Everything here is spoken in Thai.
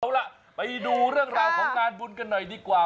เอาล่ะไปดูเรื่องราวของงานบุญกันหน่อยดีกว่า